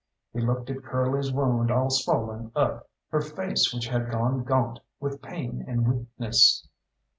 He looked at Curly's wound all swollen up, her face which had gone gaunt with pain and weakness.